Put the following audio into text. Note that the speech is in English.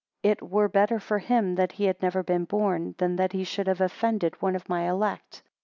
It, were better for him that he had never been born, than that he should have offended one of my elect.